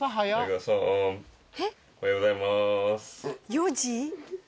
４時？